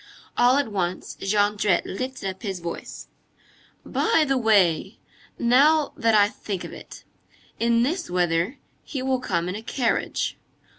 All at once, Jondrette lifted up his voice:— "By the way! Now that I think of it. In this weather, he will come in a carriage.